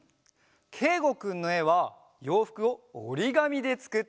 けいごくんのえはようふくをおりがみでつくっているんだよ。